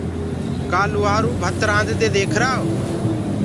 ڪآ لوهآرو ڀت رآنددي ديکرآئو